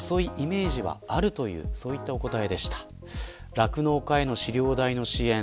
酪農家への飼料代の支援。